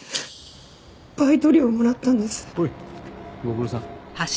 ほいご苦労さん。